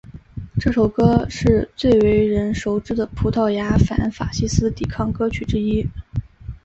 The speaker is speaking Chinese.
这首歌是最为人熟知的葡萄牙反法西斯抵抗歌曲之一。